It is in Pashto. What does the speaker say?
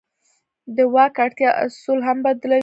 د واک اړتیا اصول هم بدلوي.